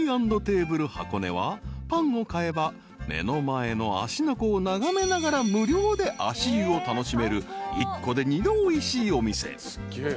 ［パンを買えば目の前の芦ノ湖を眺めながら無料で足湯を楽しめる一個で二度おいしいお店］